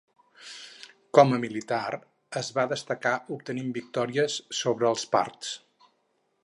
Com a militar es va destacar obtenint victòries sobre els parts.